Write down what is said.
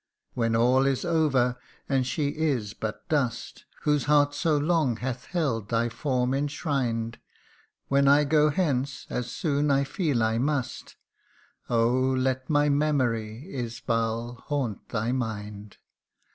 When all is over, and she is but dust Whose heart so long hath held thy form enshrined ; When I go hence, as soon I feel I must, Oh ! let my memory, Isbal, haunt thy mind.